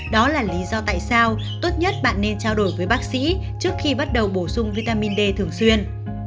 đó là lý do tại sao tốt nhất bạn nên trao đổi với bác sĩ trước khi bắt đầu bổ sung vitamin d thường xuyên